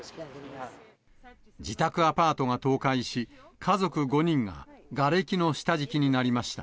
自宅アパートが倒壊し、家族５人ががれきの下敷きになりました。